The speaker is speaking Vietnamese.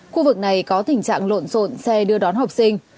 khu vực này có tình trạng lộn xộn xe đưa đón học sinh